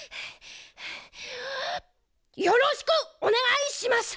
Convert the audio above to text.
ハァハァよろしくおねがいします！